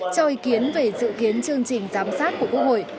cho ý kiến về dự kiến chương trình giám sát của quốc hội